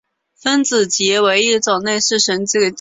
分子结为一种类似绳结的。